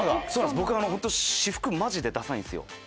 僕私服マジでダサいんですよ。